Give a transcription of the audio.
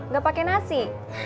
gak pake nasi